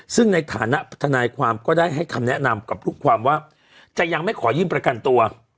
ซึ่งในฐานะทนายความก็ได้ให้คำแนะนำกับลูกความว่าจะยังไม่ขอยื่นประกันตัว